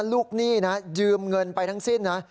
หนี้นะยืมเงินไปทั้งสิ้นนะ